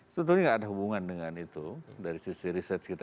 sebenarnya enggak ada hubungan dengan itu dari sisi riset kita